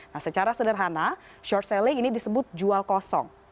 nah secara sederhana short selling ini disebut jual kosong